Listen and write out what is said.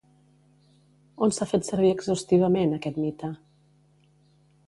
On s'ha fet servir exhaustivament aquest mite?